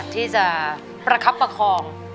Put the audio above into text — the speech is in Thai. ที่จะประคับประคอง